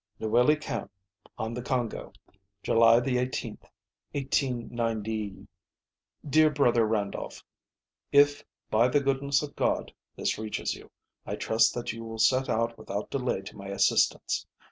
"NIWILI CAMP, on the Congo, "July the 18th, 189 . "DEAR BROTHER RANDOLPH: "If, by the goodness of God, this reaches you, I trust that you will set out without delay to my assistance.